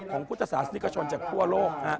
ของพุทธศาสตร์นิกชนจากทั่วโลก